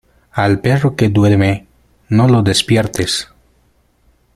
Al perro que duerme, no lo despiertes.